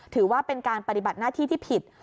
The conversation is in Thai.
ถือว่าเป็นการปฏิบัติหน้าที่ที่ผิด